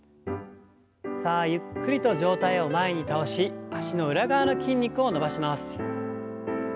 さあゆっくりと上体を前に倒し脚の裏側の筋肉を伸ばします。